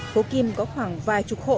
phố kim có khoảng vài chục hộ